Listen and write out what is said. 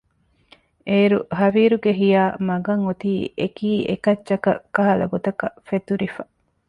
އޭރު ހަވީރުގެ ހިޔާ މަގަށް އޮތީ އެކީ އެކައްޗަކަށް ކަހަލަ ގޮތަކަށް ފެތުރިފަ